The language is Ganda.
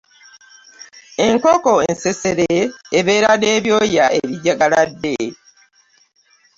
Enkoko ensessere ebeera n'ebyoya ebijjagaladde.